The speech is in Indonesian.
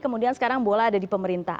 kemudian sekarang bola ada di pemerintah